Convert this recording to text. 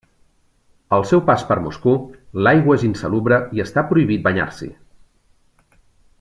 Al seu pas per Moscou l'aigua és insalubre i està prohibit banyar-s'hi.